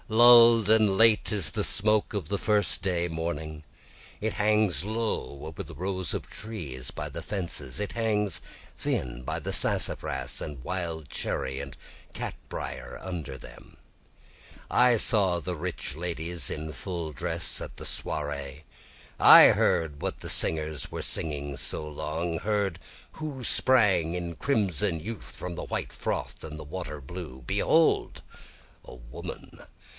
Lull'd and late is the smoke of the First day morning, It hangs low over the rows of trees by the fences, It hangs thin by the sassafras and wild cherry and cat brier under them. I saw the rich ladies in full dress at the soiree, I heard what the singers were singing so long, Heard who sprang in crimson youth from the white froth and the water blue. Behold a woman!